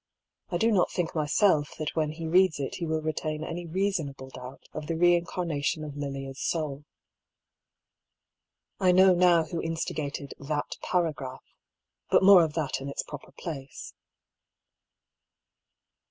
I do not think myself that when he reads it he will retain any reasonable doubt of the re incarnation of Lilia's soul. I know now who instigated that paragraph ; but more of that in its proper place.